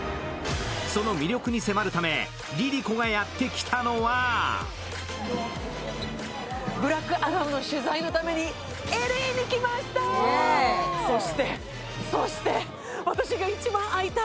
その魅力に迫るため、ＬｉＬｉＣｏがやってきたのは「ブラックアダム」の取材のためにＬＡに来ました！